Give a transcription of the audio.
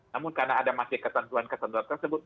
namun karena ada masih ketentuan ketentuan tersebut